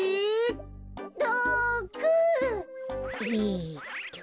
６！えっと。